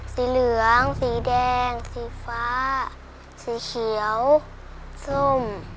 สีเหลืองสีแดงสีฟ้าสีเขียวส้ม